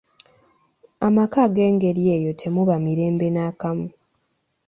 Amaka ag'engeri eyo temuba mirembe nakamu.